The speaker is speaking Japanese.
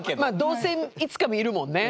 どうせいつか見るもんね。